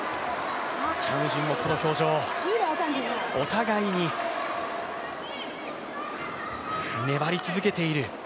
チャン・ウジンもこの表情お互いに粘り続けている